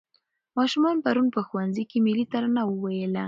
ماشومانو پرون په ښوونځي کې ملي ترانه وویله.